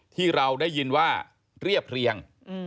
ที่เราได้ยินว่าเรียบเรียง